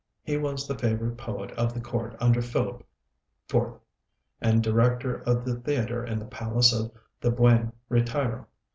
He was the favorite poet of the court under Philip IV., and director of the theatre in the palace of the Buen Retiro.